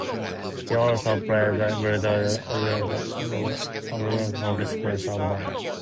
He also played the butler in the original Ferrero Rocher Ambassador's reception advert.